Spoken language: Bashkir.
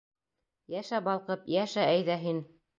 Йәшә балҡып, йәшә, әйҙә, һин!